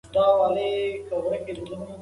صنعتي ټولنې راتلونکی به څنګه وي.